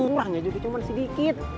kurangnya juga cuma sedikit